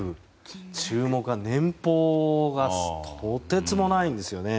注目は、年俸がとてつもないんですよね。